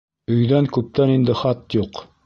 Өйҙән күптән инде хат юҡ.